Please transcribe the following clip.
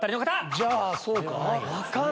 じゃあそうか。